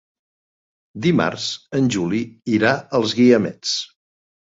Dimarts en Juli irà als Guiamets.